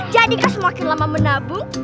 jadikah semakin lama menabung